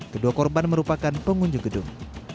kedua korban merupakan pengunjung gedung